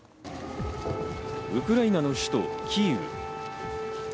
ウクライナの首都キーウ。